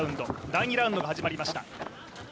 第２ラウンドが始まりました。